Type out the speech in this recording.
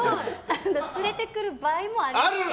連れてくる場合もあります。